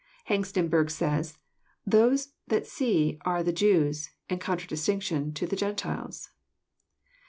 Hengstenberg says :" Those that see are the Jews, in contra distinction to the Gentiles."